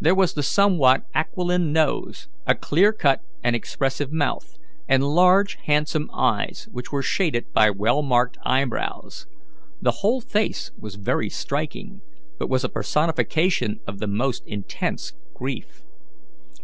There was the somewhat aquiline nose, a clear cut and expressive mouth, and large, handsome eyes, which were shaded by well marked eyebrows. The whole face was very striking, but was a personification of the most intense grief.